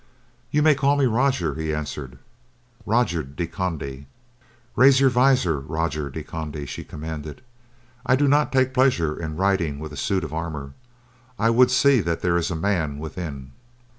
"You may call me Roger," he answered. "Roger de Conde." "Raise your visor, Roger de Conde," she commanded. "I do not take pleasure in riding with a suit of armor; I would see that there is a man within."